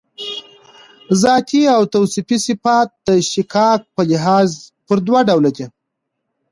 ذاتي او توصیفي صفات د اشتقاق په لحاظ پر دوه ډوله دي.